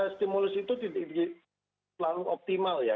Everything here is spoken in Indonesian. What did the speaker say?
stimulus itu tidak terlalu optimal ya